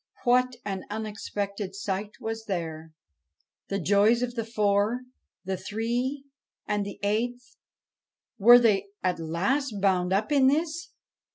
What an unexpected sight was there I The joys of the four, the three, and the eighth were they at last bound up in this?